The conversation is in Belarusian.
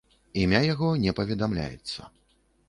Імя яго не паведамляецца.